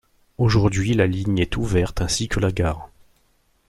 Aujourd'hui la ligne est ouverte ainsi que la gare.